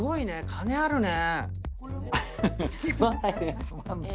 金あるね。